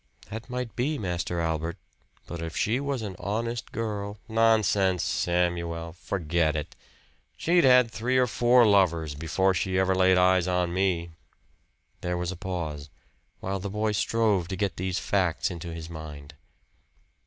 "That might be, Master Albert. But if she was an honest girl " "Nonsense, Samuel forget it. She'd had three or four lovers before she ever laid eyes on me." There was a pause, while the boy strove to get these facts into his mind.